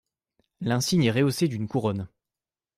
L’insigne est rehaussé d’une couronne.